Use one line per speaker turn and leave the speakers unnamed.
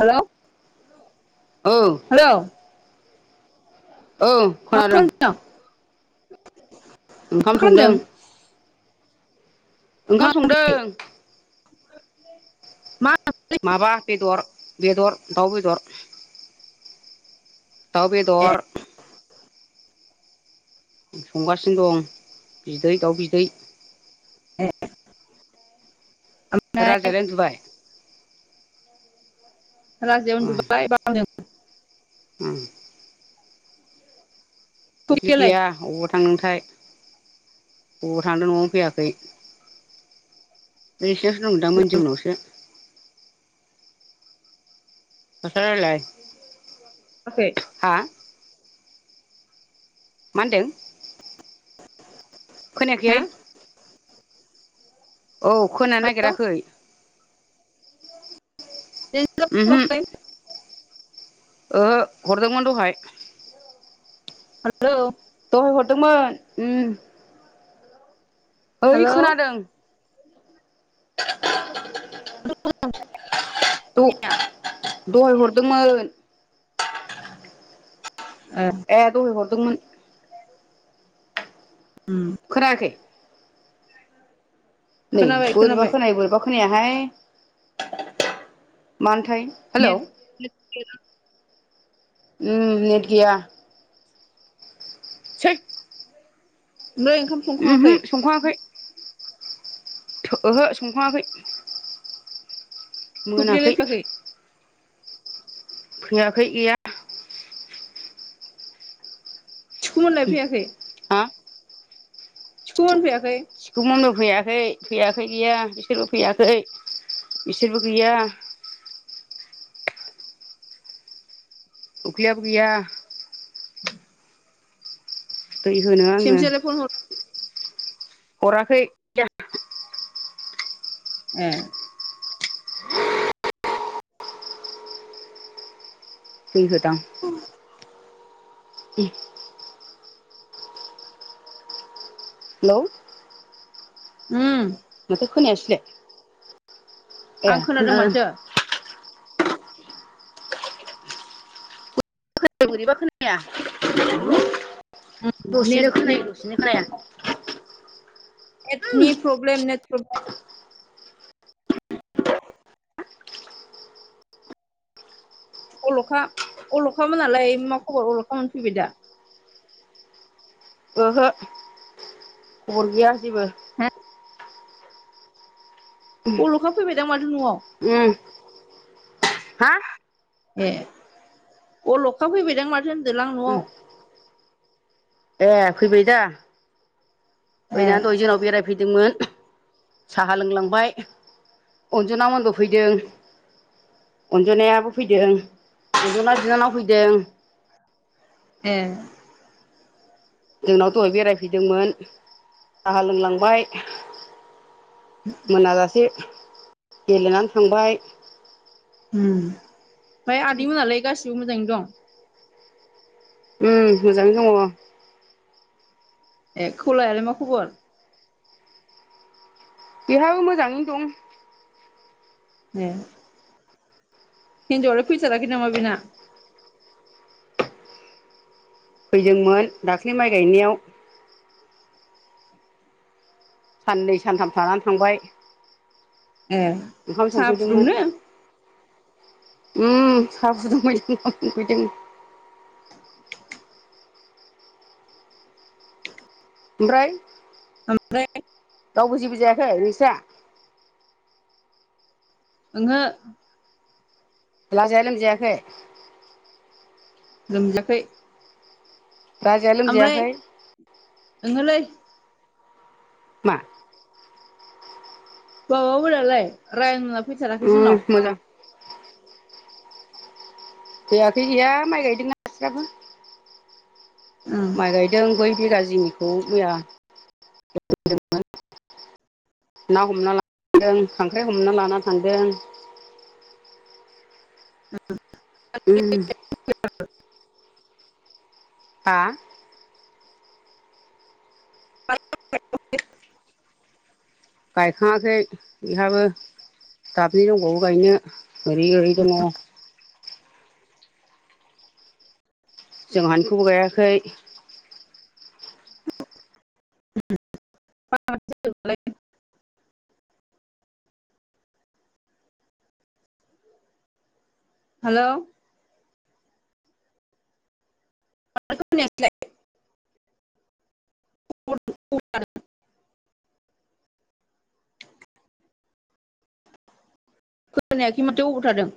हेल'
औ
हेल'
औ खोनादों
[unintelligible]
ओंखाम
मा
संदों
खालामदों
ओंखाम संदों
[unintelligible]
माबा बेदर बेदर दाउ बेदर दाउ
ए
बेदर संगासिनो दं बिदै दाउ बिदै
ए ओमफ्राय
राजालायानो जाय
राज जेथालाय ब
ओ बिदि्रि
थफियालाय
गैया बबावबा थांदोंथाय बबावबा थांदों न'आवनो फैयाखै। बे एसेयावसो दं दाम मोन दि उनावसो मसारालाय
फ्राय
हा मा होनदों?
हा
खोनायाखैहाय औ खोनानो
हेलौ
नागिराखै।
[unintelligible]
ओ हरदोंमोन दहाय
हेल'
दहाय हरदोंमोन उम ओइ
हेलौ
खोनादों। [unintelligible]
ए
दहाय हरदोंमोन
ओ
ए दहाय हरदोंमोन।
उम
खोनायाखै नै
खोनाबाय
बोरैबा
खोनाबाय
खोनाय बोरैबा खोनायाहाय मानोथाय हेलौ
[unintelligible]
उम नेट गया से
ओंखाम संखाङाखै
संख'वाखै ओहो संखा'ङाखै
थुफ्लियालाय
मोनाखै
फैयाखै
फैयाखै गैया
सुखुम मोनलायफैयाखै
हा
सिखखौ मोनफैयाखै
सिखौ मावनो फैयाखै फैयाखै गैया बिसोरबो फैयाखै बिसोरबो गैया। उखलियााब गैया दै होनो आङो
थेमसियालाय फन हर
हराखै दै
[unintelligible]
दै गोदां [inaudible] हेल'
हम
माथो खोनायासै
आं खोनादों माथो
खोनाया बोरैबा खोनाया
उम
दसेनो
नेट नेट
खोनायो दसेनो खोनाया।
ने प्रब्लेम ने प्रब अल'खा अल'खामोनालाय मा खबर अल'खामोन फैबाय दा।
ओहो अर गैया जेबो
हा बर'खा फैबाय दां माथो न'आव?
उम हा
ए अल'खा फैबायदां माथो होनदोलांं
उम
न'आव
ए फैबाय दा
ए
फैनानै दह जोंनाव बेरायबायबाय फैदोंमोन साहा लोंलांबाय अनजना मोनबो फैदों अनजनायाबो फैदों अनजनाय बिनानाव फैदों
ए
जोंनाव दहाय बेरायफैदोंमोन साहा लोंलांबाय मोनाजासे गेलेनानै थांबाय
उम फाय आदैमोनालाय गासिबो मोजाङैनो दं?
उम मोजाङै दङ'।
ए खौलायालाय मा खबर?
बेहाबो मोजाङैनो दं।
ए। हिन्जावलाय फैथाराखै नामा बेना?
फैदोंमोन दाख्लि माइ गायनायाव। साननै सानथाम थानानै थांबाय।
ए
ओंखाम
साहा
संफैदोंमोन।
फुदुंनो
उम साहा फुदुंफैदों, ओंखाम संफैदों। ओमफ्राय
ओमफ्राय
रावबो जेबो जायाखै निंस्रा?
ओंहो।
लाजाया लोमजायाखै?
लोमजाखै।
राजाया लोमजायाखै?
ओंहोलै।
मा?
माबामोनालाय रायना फैथाराखै
उम
जोंनाव?
मोजां फैयाखै गैया माइ गायदों बिस्राबो।
उम
माइ गायदों बै बिघाजिंनिखौ मैया। ना हमना लांदों खांख्राइ हमना लाना थांदों। उम
[inaudible]
हा?
[inaudible]
गायखाङाखै बिहाबो दाबनि दंबावो गायनो ओरै ओरै दङ'। जोंहानिखौबो गायाखै।
[inaudible] हेल'। खोनायासैलाय [inaudible] खोनायाखै माथो अबाव थादों?